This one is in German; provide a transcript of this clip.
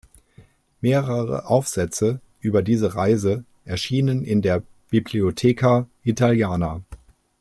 Mehrere Aufsätze über diese Reise erschienen in der "Bibliotheca italiana.